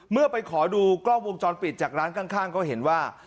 เมื่อไปขอดูกล้องวงจรปิดจากร้านข้างก็เห็นว่า